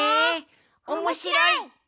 おもしろい！